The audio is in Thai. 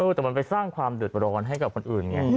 แต่มันไปสร้างความเดือดร้อนให้กับคนอื่นไง